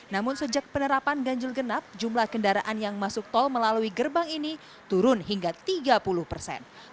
namun sejak penerapan ganjil genap jumlah kendaraan yang masuk tol melalui gerbang ini turun hingga tiga puluh persen